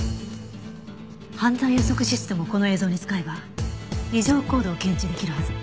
犯罪予測システムをこの映像に使えば異常行動を検知できるはず。